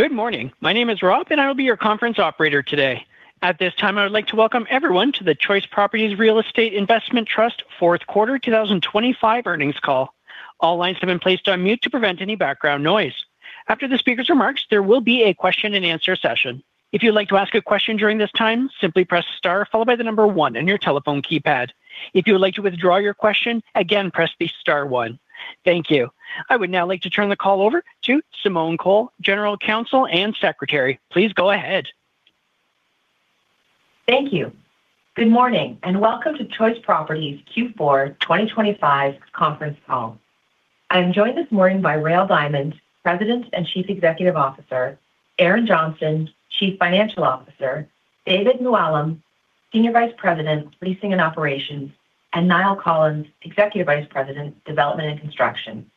Good morning. My name is Rob, and I will be your conference operator today. At this time, I would like to welcome everyone to the Choice Properties Real Estate Investment Trust Fourth Quarter 2025 Earnings Call. All lines have been placed on mute to prevent any background noise. After the speaker's remarks, there will be a question-and-answer session. If you'd like to ask a question during this time, simply press star followed by the number one on your telephone keypad. If you would like to withdraw your question, again, press the star one. Thank you. I would now like to turn the call over to Simone Cole, General Counsel and Secretary. Please go ahead. Thank you. Good morning, and welcome to Choice Properties' Q4 2025 Conference Call. I'm joined this morning by Rael Diamond, President and Chief Executive Officer, Erin Johnston, Chief Financial Officer, David Muallim, Senior Vice President, Leasing and Operations, and Niall Collins, Executive Vice President, Development and Construction.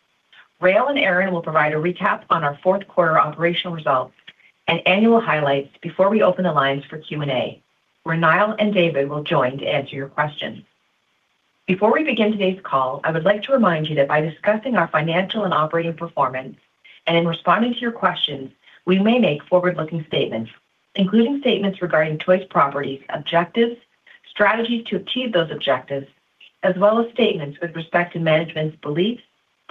Rael and Erin will provide a recap on our fourth quarter operational results and annual highlights before we open the lines for Q&A, where Niall and David will join to answer your questions. Before we begin today's call, I would like to remind you that by discussing our financial and operating performance and in responding to your questions, we may make forward-looking statements, including statements regarding Choice Properties' objectives, strategies to achieve those objectives, as well as statements with respect to management's beliefs,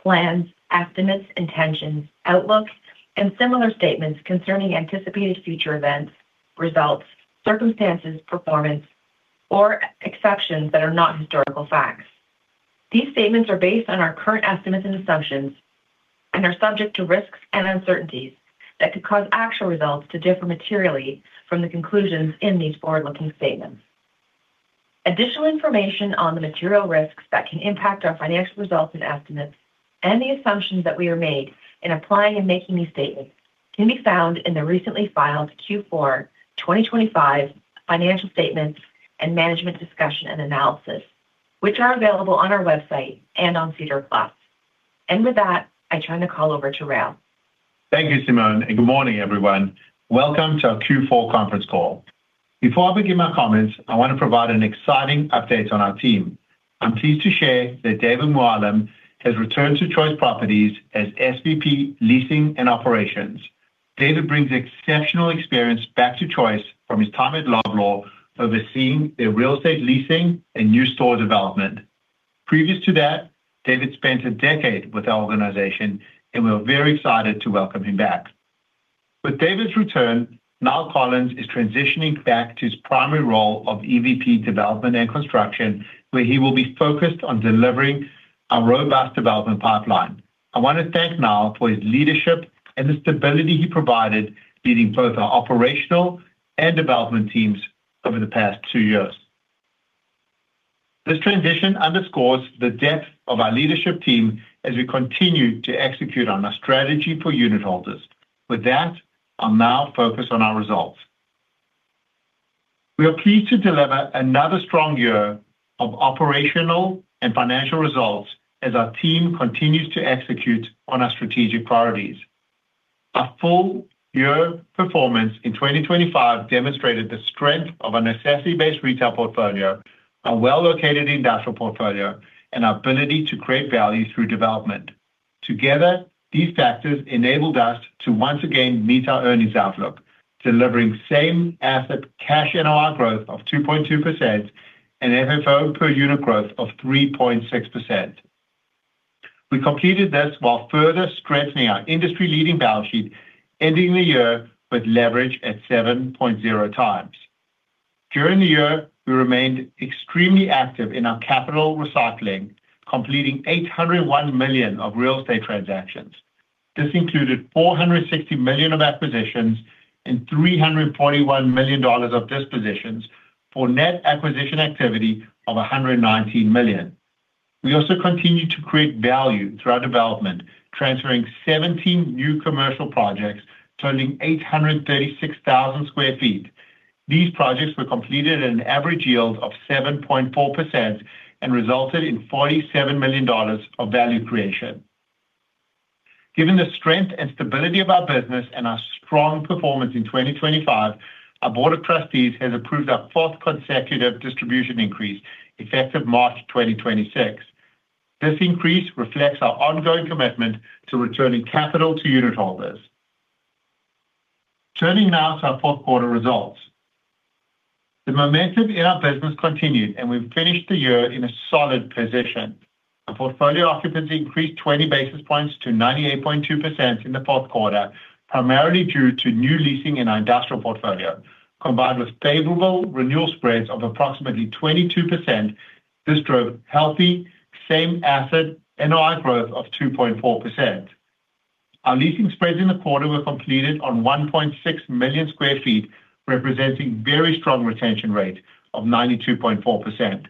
plans, estimates, intentions, outlook, and similar statements concerning anticipated future events, results, circumstances, performance, or exceptions that are not historical facts. These statements are based on our current estimates and assumptions and are subject to risks and uncertainties that could cause actual results to differ materially from the conclusions in these forward-looking statements. Additional information on the material risks that can impact our financial results and estimates and the assumptions that we have made in applying and making these statements can be found in the recently filed Q4 2025 financial statements and management discussion and analysis, which are available on our website and on SEDAR+. With that, I turn the call over to Rael. Thank you, Simone, and good morning, everyone. Welcome to our Q4 conference call. Before I begin my comments, I want to provide an exciting update on our team. I'm pleased to share that David Muallim has returned to Choice Properties as SVP, Leasing and Operations. David brings exceptional experience back to Choice from his time at Loblaw, overseeing their real estate leasing and new store development. Previous to that, David spent a decade with our organization, and we're very excited to welcome him back. With David's return, Niall Collins is transitioning back to his primary role of EVP, Development and Construction, where he will be focused on delivering our robust development pipeline. I want to thank Niall for his leadership and the stability he provided, leading both our operational and development teams over the past two years. This transition underscores the depth of our leadership team as we continue to execute on our strategy for unitholders. With that, I'll now focus on our results. We are pleased to deliver another strong year of operational and financial results as our team continues to execute on our strategic priorities. Our full-year performance in 2025 demonstrated the strength of a necessity-based Retail portfolio, a well-located Industrial portfolio, and our ability to create value through development. Together, these factors enabled us to once again meet our earnings outlook, delivering same-asset cash NOI growth of 2.2% and FFO per unit growth of 3.6%. We completed this while further strengthening our industry-leading balance sheet, ending the year with leverage at 7.0x. During the year, we remained extremely active in our capital recycling, completing 801 million of real estate transactions. This included 460 million of acquisitions and 341 million dollars of dispositions for net acquisition activity of 119 million. We also continued to create value through our development, transferring 17 new commercial projects totaling 836,000 sq ft. These projects were completed at an average yield of 7.4% and resulted in 47 million dollars of value creation. Given the strength and stability of our business and our strong performance in 2025, our Board of Trustees has approved our fourth consecutive distribution increase, effective March 2026. This increase reflects our ongoing commitment to returning capital to unitholders. Turning now to our fourth quarter results. The momentum in our business continued, and we've finished the year in a solid position. Our portfolio occupancy increased 20 basis points to 98.2% in the fourth quarter, primarily due to new leasing in our Industrial portfolio. Combined with favorable renewal spreads of approximately 22%, this drove healthy same-asset NOI growth of 2.4%. Our leasing spreads in the quarter were completed on 1.6 million sq ft, representing very strong retention rate of 92.4%.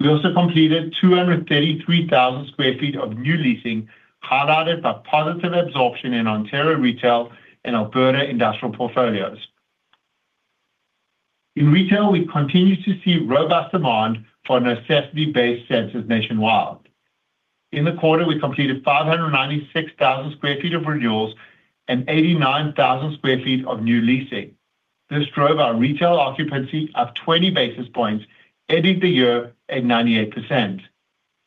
We also completed 233,000 sq ft of new leasing, highlighted by positive absorption in Ontario Retail and Alberta Industrial portfolios. In Retail, we continue to see robust demand for necessity-based centers nationwide. In the quarter, we completed 596,000 sq ft of renewals and 89,000 sq ft of new leasing. This drove our retail occupancy up 20 basis points, ending the year at 98%.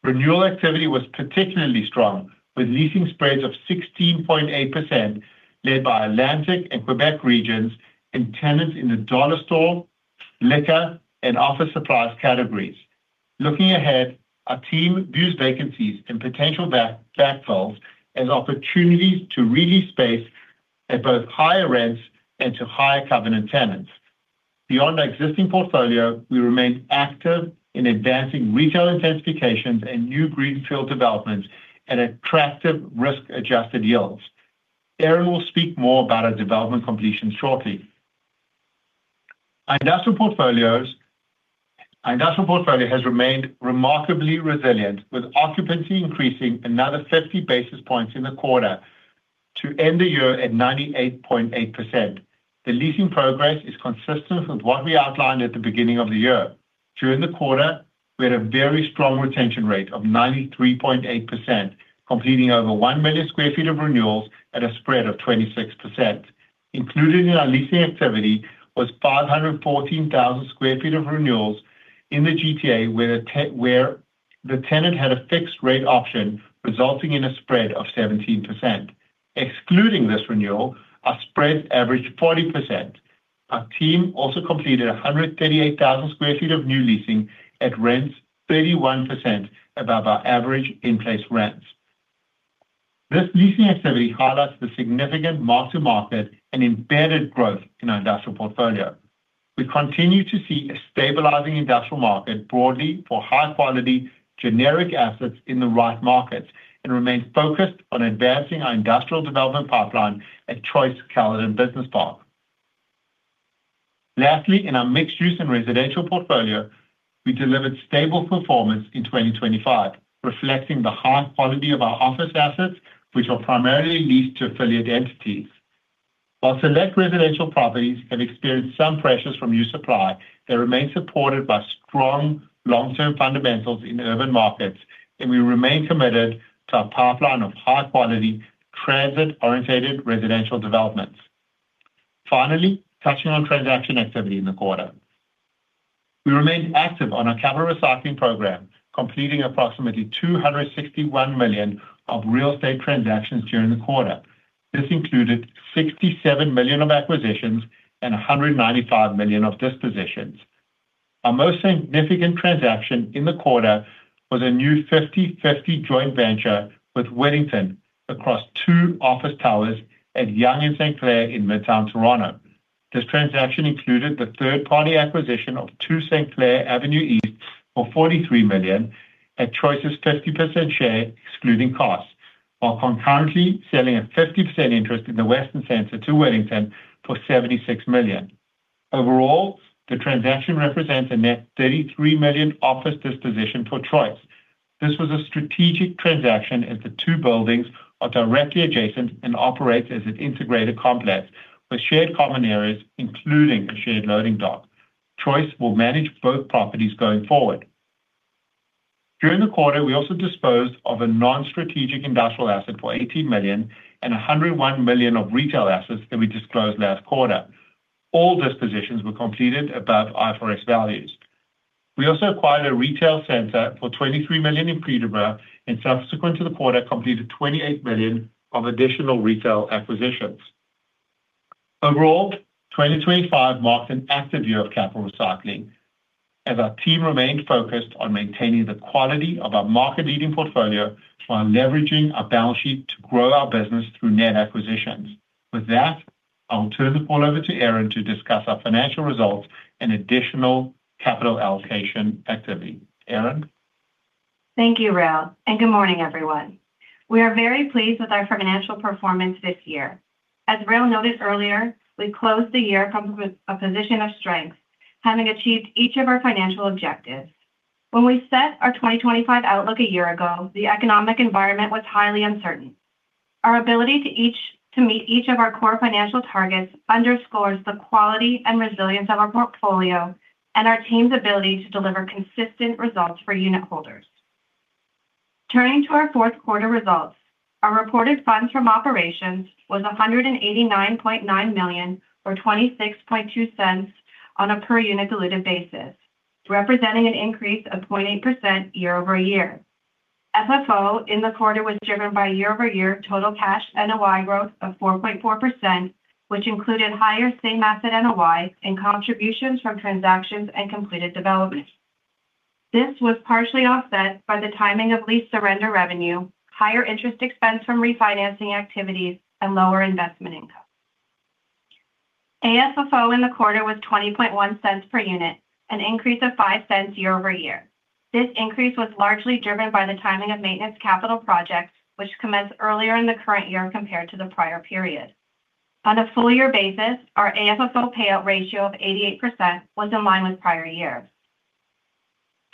Renewal activity was particularly strong, with leasing spreads of 16.8%, led by Atlantic and Quebec regions, and tenants in the dollar store, liquor, and office supplies categories. Looking ahead, our team views vacancies and potential backfills as opportunities to re-lease space at both higher rents and to higher covenant tenants. Beyond our existing portfolio, we remain active in advancing retail intensifications and new greenfield developments at attractive risk-adjusted yields. Erin will speak more about our development completion shortly. Industrial portfolio. Our Industrial portfolio has remained remarkably resilient, with occupancy increasing another 50 basis points in the quarter to end the year at 98.8%. The leasing progress is consistent with what we outlined at the beginning of the year. During the quarter, we had a very strong retention rate of 93.8%, completing over 1 million sq ft of renewals at a spread of 26%. Included in our leasing activity was 514,000 sq ft of renewals in the GTA, where the tenant had a fixed-rate option, resulting in a spread of 17%. Excluding this renewal, our spreads averaged 40%. Our team also completed 138,000 sq ft of new leasing at rents 31% above our average in-place rents. This leasing activity highlights the significant mark-to-market and embedded growth in our industrial portfolio. We continue to see a stabilizing industrial market broadly for high-quality, generic assets in the right markets and remain focused on advancing our industrial development pipeline at Choice Caledon Business Park. Lastly, in our Mixed-use and Residential portfolio, we delivered stable performance in 2025, reflecting the high quality of our office assets, which are primarily leased to affiliate entities. While select residential properties have experienced some pressures from new supply, they remain supported by strong long-term fundamentals in urban markets, and we remain committed to a pipeline of high-quality, transit-oriented residential developments. Finally, touching on transaction activity in the quarter. We remained active on our capital recycling program, completing approximately 261 million of real estate transactions during the quarter. This included 67 million of acquisitions and 195 million of dispositions. Our most significant transaction in the quarter was a new 50/50 joint venture with Wittington across two office towers at Yonge & St. Clair in Midtown Toronto. This transaction included the third-party acquisition of 2 St. Clair Avenue East for 43 million at Choice's 50% share, excluding costs, while concurrently selling a 50% interest in the Weston Centre to Wittington for 76 million. Overall, the transaction represents a net 33 million office disposition for Choice. This was a strategic transaction, as the two buildings are directly adjacent and operate as an integrated complex with shared common areas, including a shared loading dock. Choice will manage both properties going forward. During the quarter, we also disposed of a non-strategic industrial asset for 18 million and 101 million of retail assets that we disclosed last quarter. All dispositions were completed above IFRS values. We also acquired a retail center for 23 million in Peterborough, and subsequent to the quarter, completed 28 million of additional retail acquisitions. Overall, 2025 marked an active year of capital recycling, as our team remained focused on maintaining the quality of our market-leading portfolio while leveraging our balance sheet to grow our business through net acquisitions. With that, I'll turn the call over to Erin to discuss our financial results and additional capital allocation activity. Erin? Thank you, Rael, and good morning, everyone. We are very pleased with our financial performance this year. As Rael noted earlier, we closed the year coming from a position of strength, having achieved each of our financial objectives. When we set our 2025 outlook a year ago, the economic environment was highly uncertain. Our ability to meet each of our core financial targets underscores the quality and resilience of our portfolio and our team's ability to deliver consistent results for unitholders. Turning to our fourth quarter results, our reported funds from operations was 189.9 million, or 0.262 per unit diluted basis, representing an increase of 0.8% year-over-year. FFO in the quarter was driven by year-over-year total cash NOI growth of 4.4%, which included higher same-asset NOI and contributions from transactions and completed developments. This was partially offset by the timing of lease surrender revenue, higher interest expense from refinancing activities, and lower investment income. AFFO in the quarter was 0.201 per unit, an increase of 0.05 year-over-year. This increase was largely driven by the timing of maintenance capital projects, which commenced earlier in the current year compared to the prior period. On a full-year basis, our AFFO payout ratio of 88% was in line with prior years.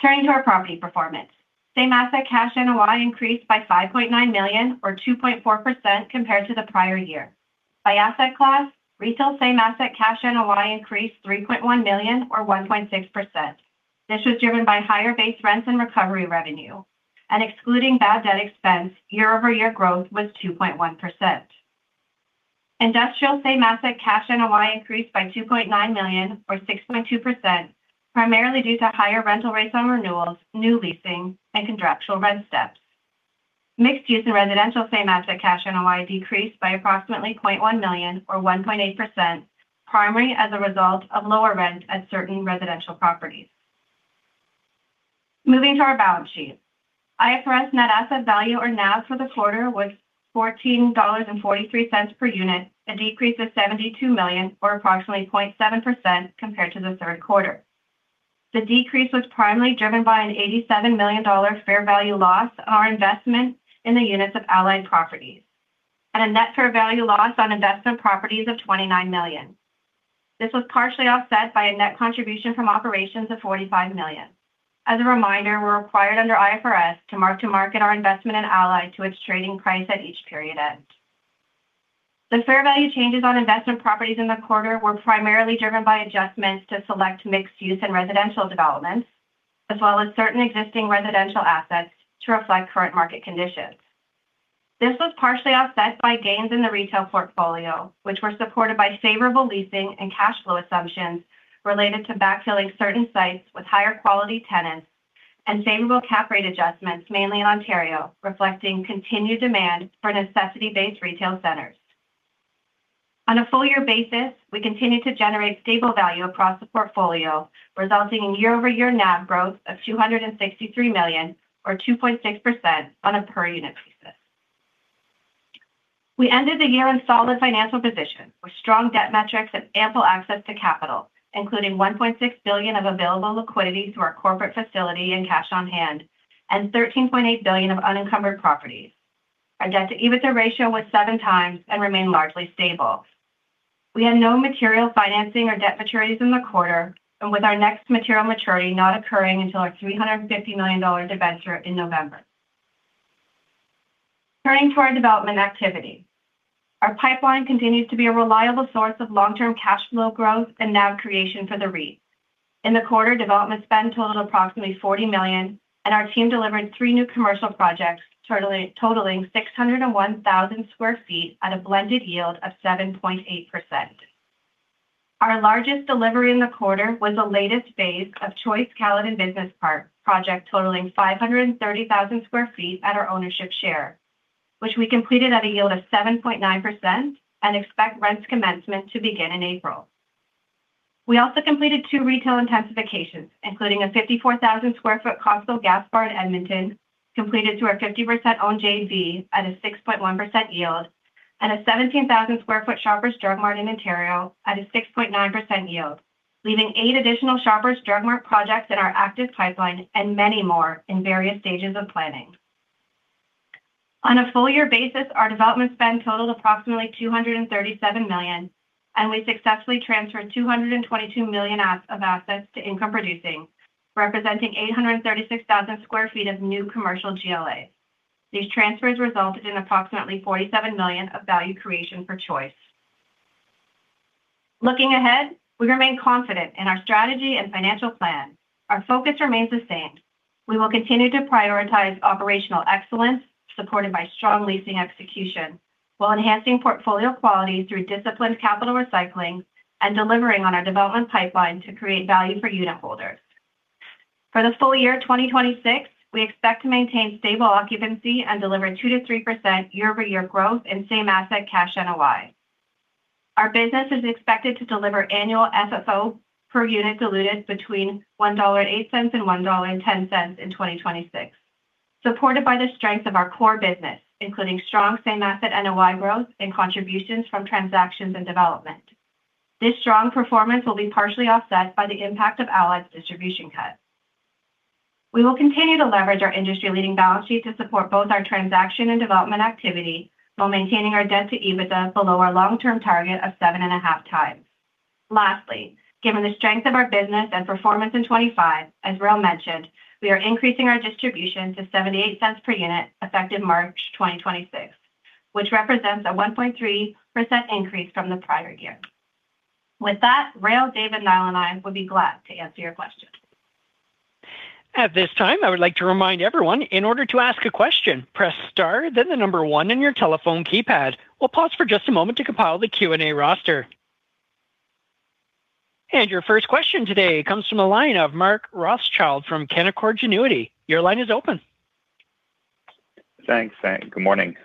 Turning to our property performance, same-asset cash NOI increased by 5.9 million, or 2.4% compared to the prior year. By asset class, Retail same-asset cash NOI increased 3.1 million, or 1.6%. This was driven by higher base rents and recovery revenue, and excluding bad debt expense, year-over-year growth was 2.1%. Industrial same-asset cash NOI increased by 2.9 million, or 6.2%, primarily due to higher rental rates on renewals, new leasing, and contractual rent steps. Mixed-use and Residential same-asset cash NOI decreased by approximately 0.1 million, or 1.8%, primarily as a result of lower rent at certain residential properties. Moving to our balance sheet. IFRS net asset value, or NAV, for the quarter was 14.43 dollars per unit, a decrease of 72 million, or approximately 0.7% compared to the third quarter. The decrease was primarily driven by a 87 million dollar fair value loss on our investment in the units of Allied Properties, and a net fair value loss on investment properties of 29 million. This was partially offset by a net contribution from operations of 45 million. As a reminder, we're required under IFRS to mark to market our investment in Allied to its trading price at each period end. The fair value changes on investment properties in the quarter were primarily driven by adjustments to select Mixed-use and Residential developments, as well as certain existing residential assets to reflect current market conditions. This was partially offset by gains in the Retail portfolio, which were supported by favorable leasing and cash flow assumptions related to backfilling certain sites with higher quality tenants and favorable cap rate adjustments, mainly in Ontario, reflecting continued demand for necessity-based retail centers. On a full-year basis, we continue to generate stable value across the portfolio, resulting in year-over-year NAV growth of 263 million, or 2.6% on a per unit basis. We ended the year in solid financial position, with strong debt metrics and ample access to capital, including 1.6 billion of available liquidity through our corporate facility and cash on hand, and 13.8 billion of unencumbered properties. Our debt-to-EBITDA ratio was 7x and remained largely stable. We had no material financing or debt maturities in the quarter, and with our next material maturity not occurring until our 350 million dollars debenture in November. Turning to our development activity. Our pipeline continues to be a reliable source of long-term cash flow growth and NAV creation for the REIT. In the quarter, development spend totaled approximately 40 million, and our team delivered three new commercial projects, totaling 601,000 sq ft at a blended yield of 7.8%. Our largest delivery in the quarter was the latest phase of Choice Caledon Business Park project, totaling 530,000 sq ft at our ownership share, which we completed at a yield of 7.9% and expect rents commencement to begin in April. We also completed two retail intensifications, including a 54,000 sq ft Costco gas bar in Edmonton, completed to our 50% owned JV at a 6.1% yield, and a 17,000 sq ft Shoppers Drug Mart in Ontario at a 6.9% yield, leaving eight additional Shoppers Drug Mart projects in our active pipeline and many more in various stages of planning. On a full-year basis, our development spend totaled approximately 237 million, and we successfully transferred 222 million of assets to income producing, representing 836,000 sq ft of new commercial GLA. These transfers resulted in approximately 47 million of value creation for Choice. Looking ahead, we remain confident in our strategy and financial plan. Our focus remains the same. We will continue to prioritize operational excellence, supported by strong leasing execution, while enhancing portfolio quality through disciplined capital recycling and delivering on our development pipeline to create value for unitholders. For the full year 2026, we expect to maintain stable occupancy and deliver 2%-3% year-over-year growth in same-asset cash NOI. Our business is expected to deliver annual FFO per unit diluted between 1.08 dollar and 1.10 dollar in 2026, supported by the strength of our core business, including strong same-asset NOI growth and contributions from transactions and development. This strong performance will be partially offset by the impact of Allied's distribution cut. We will continue to leverage our industry-leading balance sheet to support both our transaction and development activity while maintaining our debt-to-EBITDA below our long-term target of 7.5x. Lastly, given the strength of our business and performance in 2025, as Rael mentioned, we are increasing our distribution to 0.78 per unit effective March 2026, which represents a 1.3% increase from the prior year. With that, Rael, Dave, and Niall, and I would be glad to answer your questions. At this time, I would like to remind everyone, in order to ask a question, press star, then the number one in your telephone keypad. We'll pause for just a moment to compile the Q&A roster. Your first question today comes from the line of Mark Rothschild from Canaccord Genuity. Your line is open. Thanks. Good morning.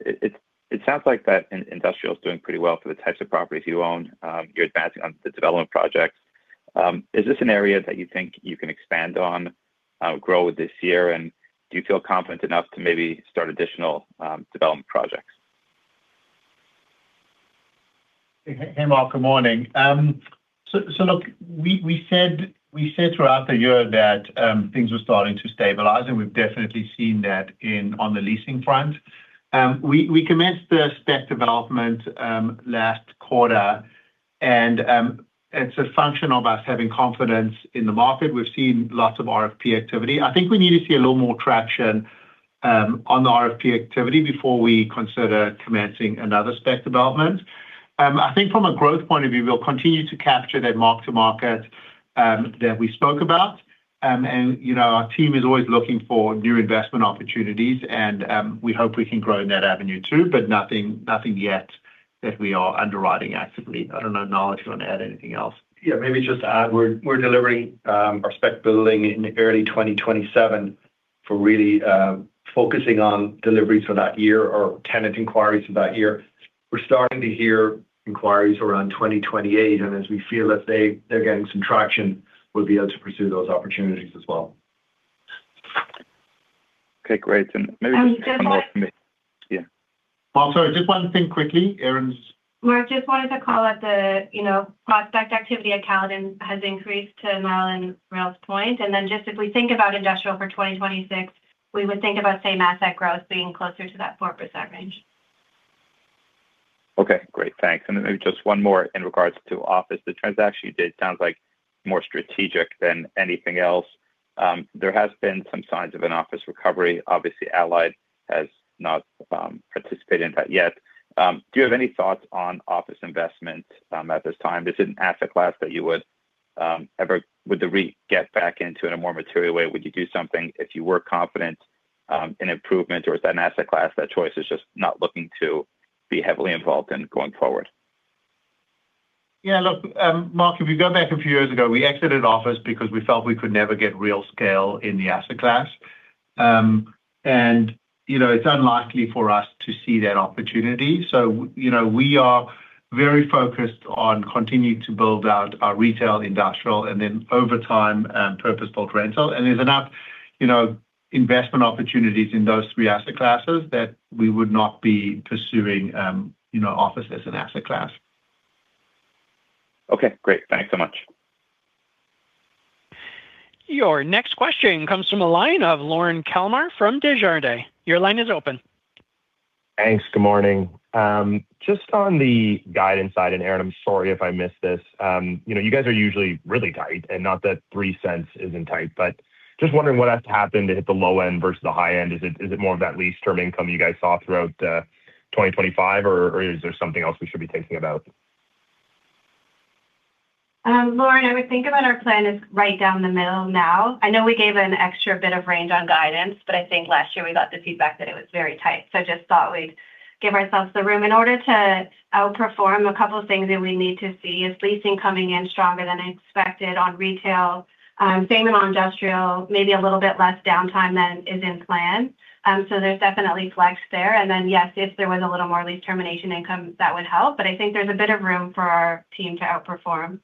It sounds like that industrial is doing pretty well for the types of properties you own. You're advancing on the development projects. Is this an area that you think you can expand on, grow this year? And do you feel confident enough to maybe start additional development projects? Hey, Mark, good morning. So look, we said throughout the year that things were starting to stabilize, and we've definitely seen that on the leasing front. We commenced the spec development last quarter, and it's a function of us having confidence in the market. We've seen lots of RFP activity. I think we need to see a little more traction on the RFP activity before we consider commencing another spec development. I think from a growth point of view, we'll continue to capture that mark-to-market that we spoke about. You know, our team is always looking for new investment opportunities, and we hope we can grow in that avenue, too, but nothing, nothing yet that we are underwriting actively. I don't know, Niall, if you want to add anything else. Yeah, maybe just to add, we're delivering our spec building in early 2027. We're really focusing on deliveries for that year or tenant inquiries for that year. We're starting to hear inquiries around 2028, and as we feel that they're getting some traction, we'll be able to pursue those opportunities as well. Okay, great. And maybe just one more for me- Um, just- Yeah. Well, so just one thing quickly, Erin's- Well, I just wanted to call out the, you know, prospect activity at Caledon has increased to Niall and Niall's point. Then just if we think about Industrial for 2026, we would think about same asset growth being closer to that 4% range. Okay, great. Thanks. And then maybe just one more in regards to office. The transaction date sounds like more strategic than anything else. There has been some signs of an office recovery. Obviously, Allied has not participated in that yet. Do you have any thoughts on office investment at this time? This is an asset class that you would ever would the re get back into in a more material way? Would you do something if you were confident in improvement, or is that an asset class that Choice is just not looking to be heavily involved in going forward? Yeah, look, Mark, if you go back a few years ago, we exited office because we felt we could never get real scale in the asset class and, you know, it's unlikely for us to see that opportunity. So, you know, we are very focused on continuing to build out our Retail, Industrial, and then over time, purpose-built rental. And there's enough, you know, investment opportunities in those three asset classes that we would not be pursuing, you know, office as an asset class. Okay, great. Thanks so much. Your next question comes from a line of Lorne Kalmar from Desjardins. Your line is open. Thanks. Good morning. Just on the guidance side, and, Erin, I'm sorry if I missed this. You know, you guys are usually really tight, and not that 0.03 isn't tight, but just wondering what has to happen to hit the low end versus the high end. Is it, is it more of that lease term income you guys saw throughout 2025, or, or is there something else we should be thinking about? Lorne, I would think about our plan as right down the middle now. I know we gave an extra bit of range on guidance, but I think last year we got the feedback that it was very tight. So just thought we'd give ourselves the room. In order to outperform, a couple of things that we need to see is leasing coming in stronger than expected on Retail, same on Industrial, maybe a little bit less downtime than is in plan. So there's definitely flex there and then, yes, if there was a little more lease termination income, that would help, but I think there's a bit of room for our team to outperform.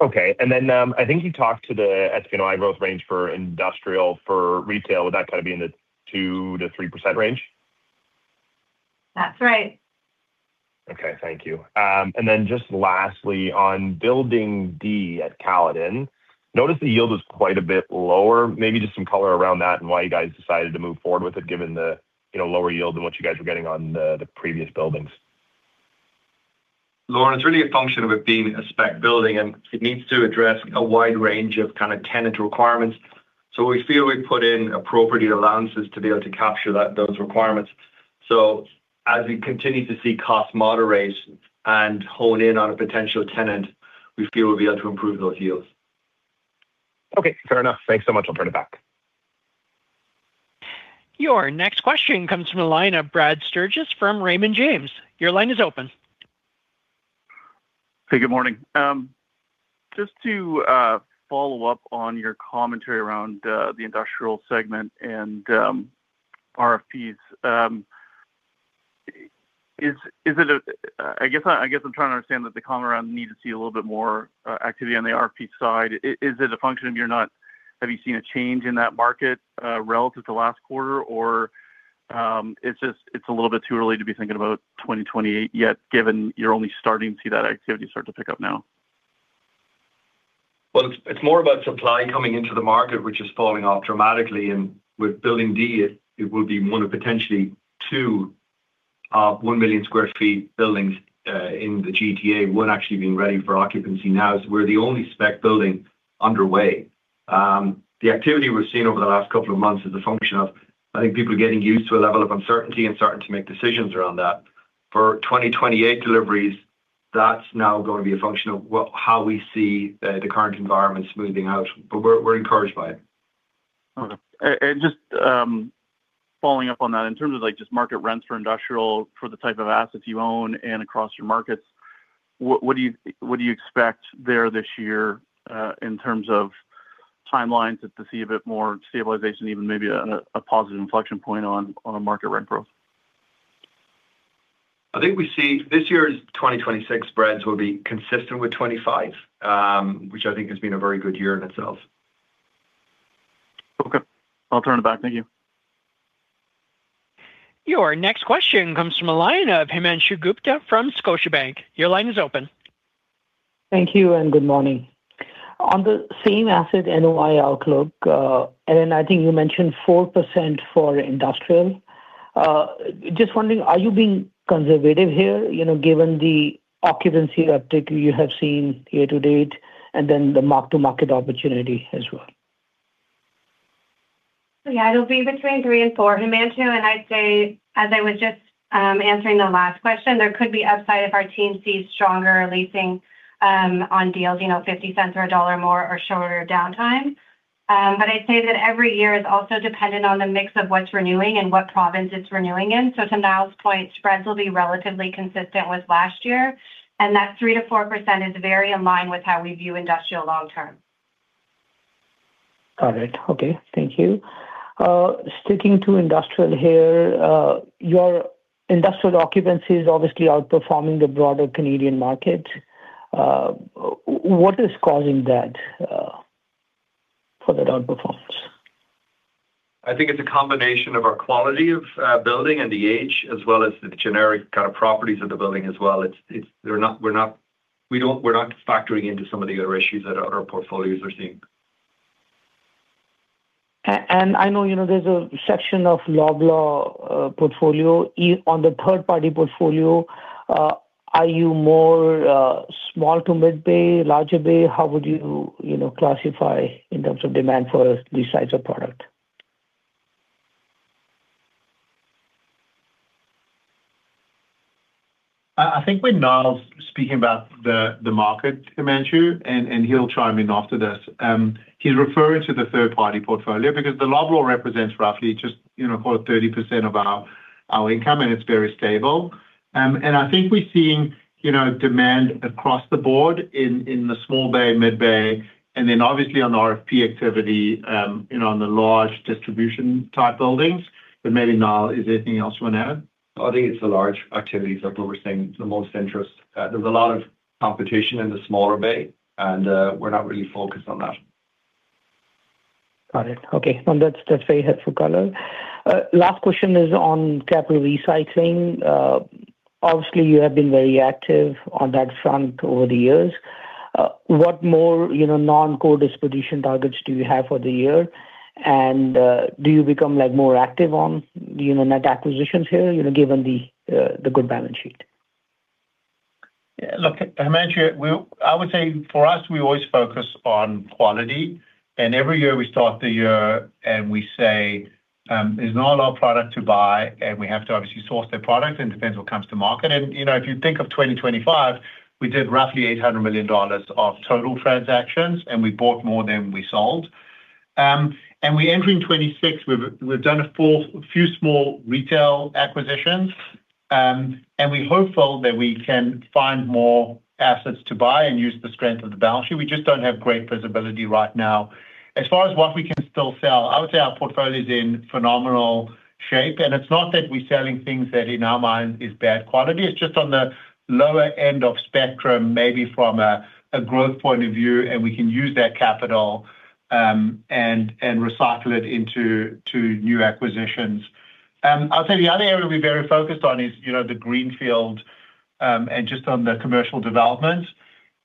Okay and then, I think you talked same-asset NOI growth range for Industrial, for Retail, would that kind of be in the 2%-3% range? That's right. Okay, thank you and then just lastly, on Building D at Caledon, noticed the yield is quite a bit lower. Maybe just some color around that and why you guys decided to move forward with it, given the, you know, lower yield than what you guys were getting on the previous buildings. Lauren, it's really a function of it being a spec building, and it needs to address a wide range of kind of tenant requirements. So we feel we've put in appropriate allowances to be able to capture that, those requirements. So as we continue to see cost moderation and hone in on a potential tenant, we feel we'll be able to improve those yields. Okay, fair enough. Thanks so much. I'll turn it back. Your next question comes from a line of Brad Sturges from Raymond James. Your line is open. Hey, good morning. Just to follow up on your commentary around the Industrial segment and RFPs. Is it a, I guess, I guess I'm trying to understand that the comment around need to see a little bit more activity on the RFP side. Is it a function of you're not? Have you seen a change in that market relative to last quarter? Or, it's just, it's a little bit too early to be thinking about 2028 yet, given you're only starting to see that activity start to pick up now? Well, it's more about supply coming into the market, which is falling off dramatically and with building D, it will be one of potentially two, 1 million sq ft buildings, in the GTA, one actually being ready for occupancy now. So we're the only spec building underway. The activity we've seen over the last couple of months is a function of, I think people are getting used to a level of uncertainty and starting to make decisions around that. For 2028 deliveries, that's now gonna be a function of well, how we see, the current environment smoothing out, but we're encouraged by it. Okay.and just following up on that, in terms of, like, just market rents for industrial, for the type of assets you own and across your markets, what do you expect there this year, in terms of timelines to see a bit more stabilization, even maybe a positive inflection point on a market rent growth? I think we see this year's 2026 spreads will be consistent with 2025, which I think has been a very good year in itself. Okay. I'll turn it back. Thank you. Your next question comes from a line of Himanshu Gupta from Scotiabank. Your line is open. Thank you, and good morning. On the same-asset NOI outlook, and I think you mentioned 4% for Industrial. Just wondering, are you being conservative here, you know, given the occupancy uptick you have seen year-to-date and then the mark-to-market opportunity as well? So yeah, it'll be between 3% and 4%, Himanshu, and I'd say, as I was just answering the last question, there could be upside if our team sees stronger leasing on deals, you know, 0.50 or CAD 1 more or shorter downtime. But I'd say that every year is also dependent on the mix of what's renewing and what province it's renewing in. So to Niall's point, spreads will be relatively consistent with last year, and that 3%-4% is very in line with how we view Industrial long term. Got it. Okay, thank you. Sticking to Industrial here, your industrial occupancy is obviously outperforming the broader Canadian market. What is causing that for that outperformance? I think it's a combination of our quality of building and the age, as well as the generic kind of properties of the building as well. We're not factoring into some of the other issues that other portfolios are seeing. I know, you know, there's a section of Loblaw portfolio. On the third-party portfolio, are you more small to mid-bay, larger bay? How would you, you know, classify in terms of demand for these types of product? I think when Niall's speaking about the, the market, Himanshu, and, and he'll chime in after this, he's referring to the third-party portfolio because the Loblaw represents roughly just, you know, about 30% of our, our income, and it's very stable. And I think we're seeing, you know, demand across the board in, in the small bay, mid-bay, and then obviously on the RFP activity, you know, on the large distribution-type buildings. But maybe, Niall, is there anything else you want to add? I think it's the large activities that we're seeing the most interest. There's a lot of competition in the smaller bay, and we're not really focused on that. Got it. Okay, that's, that's very helpful color. Last question is on capital recycling. Obviously, you have been very active on that front over the years. What more, you know, non-core disposition targets do you have for the year? And, do you become, like, more active on, you know, net acquisitions here, you know, given the good balance sheet? Yeah, look, Himanshu, we, I would say for us, we always focus on quality, and every year we start the year and we say, there's not a lot of product to buy, and we have to obviously source the product and depends what comes to market and, you know, if you think of 2025, we did roughly 800 million dollars of total transactions, and we bought more than we sold. We enter in 2026, we've done a full few small retail acquisitions, and we're hopeful that we can find more assets to buy and use the strength of the balance sheet. We just don't have great visibility right now. As far as what we can still sell, I would say our portfolio is in phenomenal shape, and it's not that we're selling things that in our mind is bad quality. It's just on the lower end of spectrum, maybe from a growth point of view, and we can use that capital and recycle it into new acquisitions. I'll say the other area we're very focused on is, you know, the greenfield and just on the commercial development.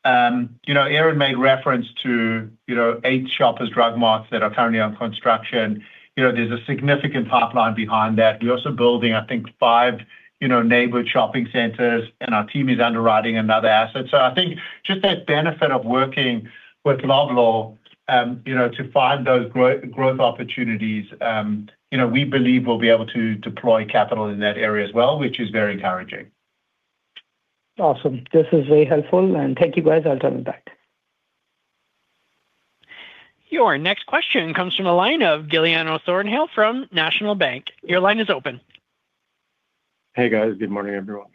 You know, Erin made reference to, you know, eight Shoppers Drug Marts that are currently under construction. You know, there's a significant pipeline behind that. We're also building, I think, five, you know, neighborhood shopping centers, and our team is underwriting another asset. So I think just that benefit of working with Loblaw, you know, to find those growth opportunities, you know, we believe we'll be able to deploy capital in that area as well, which is very encouraging. Awesome. This is very helpful, and thank you, guys. I'll turn it back. Your next question comes from the line of Giuliano Thornhill from National Bank. Your line is open. Hey, guys. Good morning, everyone.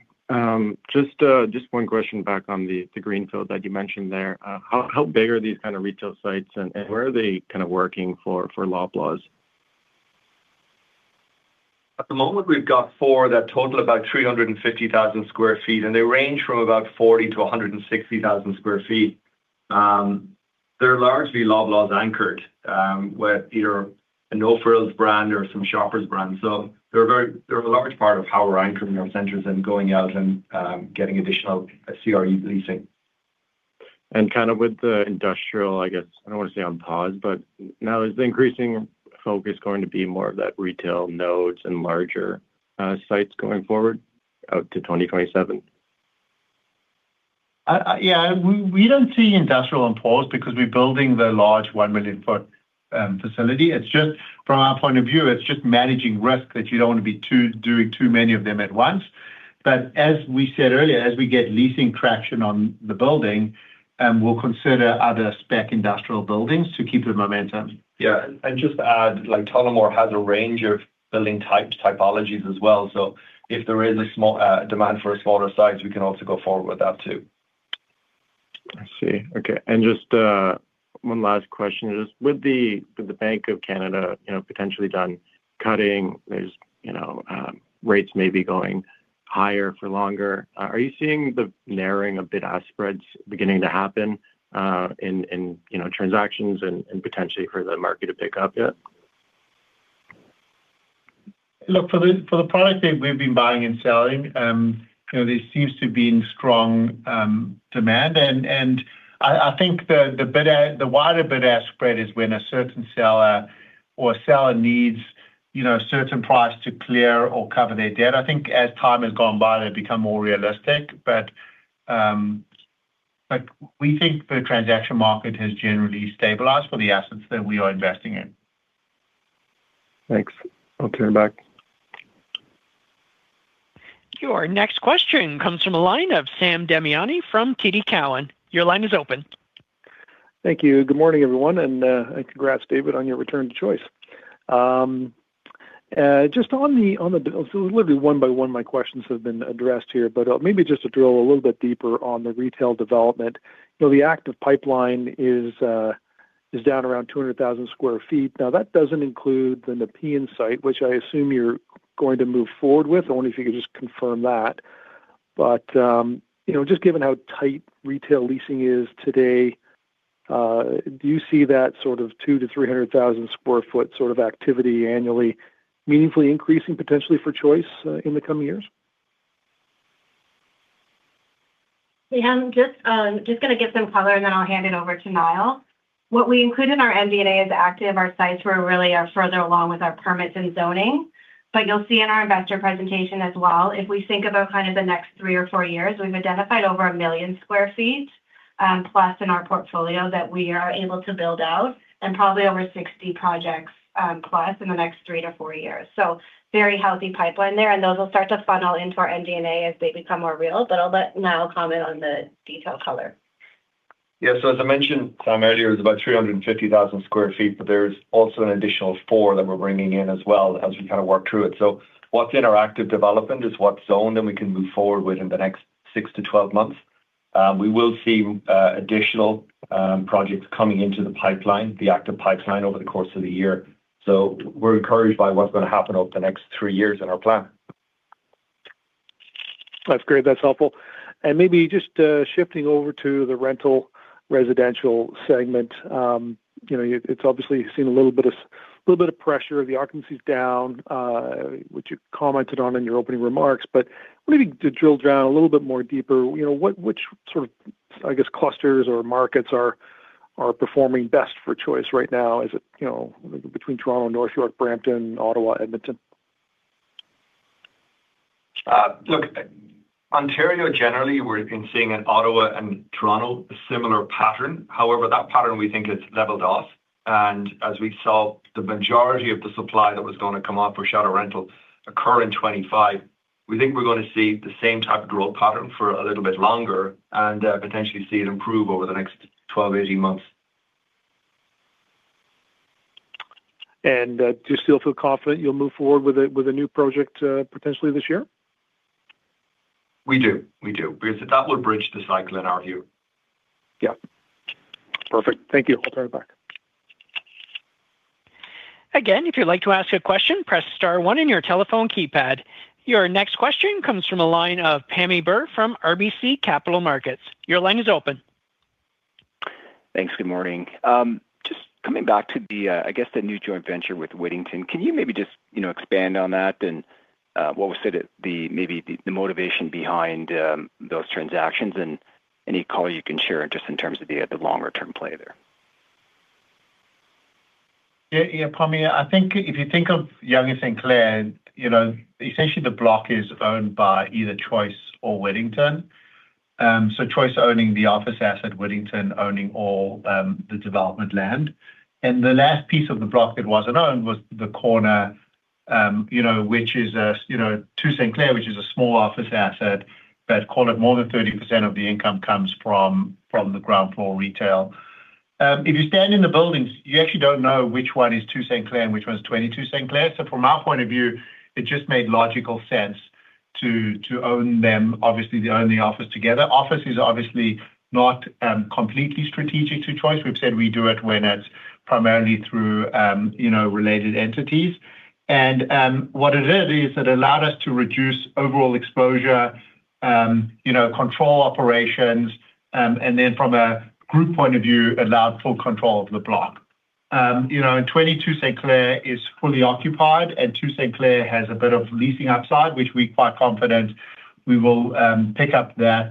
Just one question back on the greenfield that you mentioned there. How big are these kind of retail sites, and where are they kind of working for Loblaws? At the moment, we've got four that total about 350,000 sq ft, and they range from about 40,000-160,000 sq ft. They're largely Loblaw's anchored, with either a No Frills brand or some Shoppers brand. So they're a large part of how we're anchoring our centers and going out and getting additional CRU leasing. Kind of with the industrial, I guess, I don't want to say on pause, but now is the increasing focus going to be more of that retail nodes and larger sites going forward out to 2027? Yeah, we don't see Industrial on pause because we're building the large 1 million sq ft facility. It's just from our point of view, it's just managing risk that you don't want to be too doing too many of them at once. But as we said earlier, as we get leasing traction on the building, we'll consider other spec industrial buildings to keep the momentum. Yeah, and just to add, like, Tullamore has a range of building types, typologies as well. So if there is a small demand for a smaller size, we can also go forward with that too. I see. Okay, and just one last question. Just with the Bank of Canada, you know, potentially done cutting, there's, you know, rates may be going higher for longer. Are you seeing the narrowing of bid-ask spreads beginning to happen in, you know, transactions and potentially for the market to pick up yet? Look, for the products that we've been buying and selling, you know, there seems to be strong demand. And I think the wider bid-ask spread is when a certain seller or a seller needs, you know, a certain price to clear or cover their debt. I think as time has gone by, they've become more realistic. But we think the transaction market has generally stabilized for the assets that we are investing in. Thanks. I'll turn it back. Your next question comes from the line of Sam Damiani from TD Cowen. Your line is open. Thank you. Good morning, everyone, and congrats, David, on your return to Choice. Just on the so literally one by one, my questions have been addressed here, but maybe just to drill a little bit deeper on the retail development. You know, the active pipeline is down around 200,000 sq ft. Now, that doesn't include the Napanee site, which I assume you're going to move forward with. I wonder if you could just confirm that. But you know, just given how tight retail leasing is today, do you see that sort of 200,000-300,000 sq ft sort of activity annually, meaningfully increasing potentially for Choice in the coming years? Yeah, I'm just gonna give some color, and then I'll hand it over to Niall. What we include in our MD&A is active, our sites were really are further along with our permits and zoning. But you'll see in our investor presentation as well, if we think about kind of the next three or four years, we've identified over 1 million+ sq ft in our portfolio that we are able to build out, and probably over 60 projects plus in the next three to four years. So very healthy pipeline there, and those will start to funnel into our MD&A as they become more real, but I'll let Niall comment on the detailed color. Yeah. So as I mentioned, Sam, earlier, it's about 350,000 sq ft, but there's also an additional four that we're bringing in as well as we kind of work through it. So what's in our active development is what's zoned, and we can move forward with in the next six to 12 months. We will see additional projects coming into the pipeline, the active pipeline, over the course of the year. So we're encouraged by what's gonna happen over the next three years in our plan. That's great. That's helpful and maybe just shifting over to the Rental Residential segment, you know, it's obviously seen a little bit of pressure. The occupancy is down, which you commented on in your opening remarks, but maybe to drill down a little bit more deeper, you know, which sort of, I guess, clusters or markets are performing best for Choice right now? Is it, you know, between Toronto, North York, Brampton, Ottawa, Edmonton? Look, Ontario, generally, we've been seeing in Ottawa and Toronto, a similar pattern. However, that pattern we think has leveled off, and as we saw, the majority of the supply that was gonna come off for shadow rental occur in 2025. We think we're gonna see the same type of growth pattern for a little bit longer and, potentially see it improve over the next 12-18 months. Do you still feel confident you'll move forward with a new project, potentially this year? We do. We do, because that would bridge the cycle in our view. Yeah. Perfect. Thank you. I'll turn it back. Again, if you'd like to ask a question, press star one on your telephone keypad. Your next question comes from a line of Pammi Bir from RBC Capital Markets. Your line is open. Thanks. Good morning. Just coming back to the, I guess, the new joint venture with Wittington, can you maybe just, you know, expand on that and, what was sort of the, maybe the, the motivation behind, those transactions and any color you can share just in terms of the, the longer-term play there? Yeah, yeah, Pammi, I think if you think of Yonge & St. Clair, you know, essentially the block is owned by either Choice or Wittington. So Choice owning the office asset, Wittington owning all, the development land. And the last piece of the block that wasn't owned was the corner, you know, which is, you know, 2 St. Clair, which is a small office asset, but call it more than 30% of the income comes from, from the ground floor retail. If you stand in the buildings, you actually don't know which one is 2 St. Clair and which one is 22 St. Clair. So from our point of view, it just made logical sense to, to own them. Obviously, they own the office together. Office is obviously not, completely strategic to Choice. We've said we do it when it's primarily through, you know, related entities. What it did is it allowed us to reduce overall exposure, you know, control operations, and then from a group point of view, allowed full control of the block. You know, and 22 St. Clair is fully occupied, and 2 St. Clair has a bit of leasing upside, which we're quite confident we will pick up that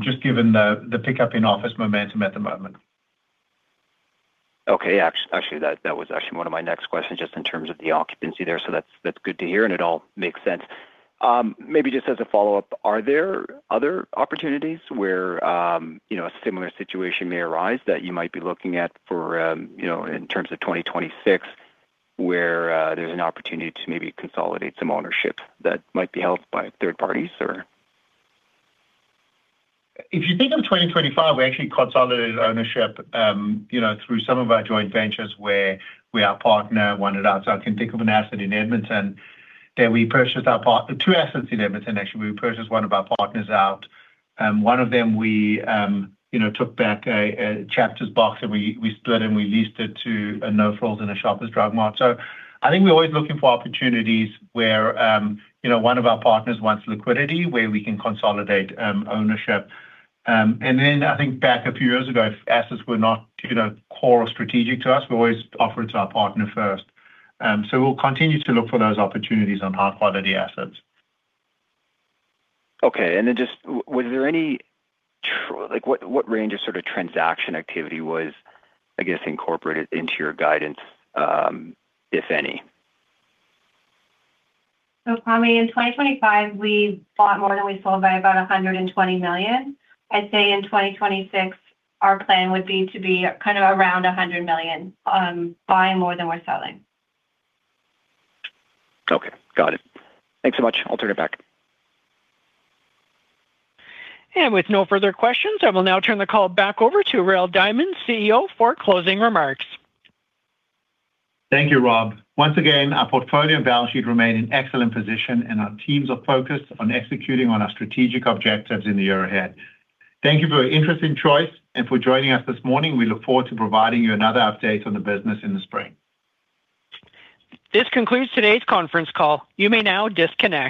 just given the pickup in office momentum at the moment. Okay. Actually, that was actually one of my next questions, just in terms of the occupancy there. So that's good to hear, and it all makes sense. Maybe just as a follow-up, are there other opportunities where you know a similar situation may arise that you might be looking at for you know in terms of 2026, where there's an opportunity to maybe consolidate some ownership that might be held by third parties, or? If you think of 2025, we actually consolidated ownership, you know, through some of our joint ventures where our partner wanted out. So I can think of an asset in Edmonton that we purchased two assets in Edmonton. Actually, we purchased one of our partners out, and one of them we, you know, took back a Chapters box, and we split and we leased it to a No Frills and a Shoppers Drug Mart. So I think we're always looking for opportunities where, you know, one of our partners wants liquidity, where we can consolidate ownership. And then I think back a few years ago, if assets were not, you know, core or strategic to us, we always offer it to our partner first. So we'll continue to look for those opportunities on high-quality assets. Okay and then just... Was there any, like, what range of sort of transaction activity was, I guess, incorporated into your guidance, if any? So, Pammi, in 2025, we bought more than we sold by about 120 million. I'd say in 2026, our plan would be to be kind of around 100 million, buying more than we're selling. Okay. Got it. Thanks so much. I'll turn it back. With no further questions, I will now turn the call back over to Rael Diamond, CEO, for closing remarks. Thank you, Rob. Once again, our portfolio and balance sheet remain in excellent position, and our teams are focused on executing on our strategic objectives in the year ahead. Thank you for your interest in Choice and for joining us this morning. We look forward to providing you another update on the business in the spring. This concludes today's conference call. You may now disconnect.